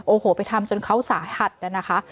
โอ้โหไปทำจนเขาสาหัสนะคะ